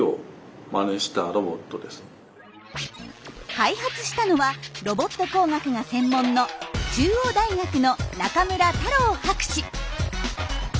開発したのはロボット工学が専門の中央大学の中村太郎博士。